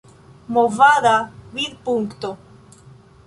Movada Vidpunkto